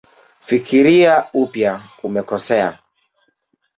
Fikiria upya umekosea